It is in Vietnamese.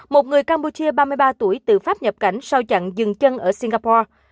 một người campuchia ba mươi ba tuổi từ pháp nhập cảnh sau chặn dừng chân ở singapore